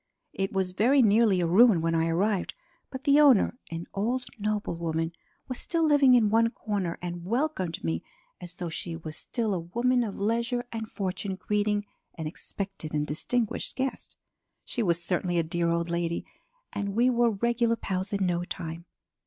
It was very nearly a ruin when I arrived but the owner, an old noblewoman, was still living in one corner and welcomed me as though she was still a woman of leisure and fortune greeting an expected and distinguished guest. She was certainly a dear old lady and we were regular pals in no time.